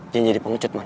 jangan jadi pengecut man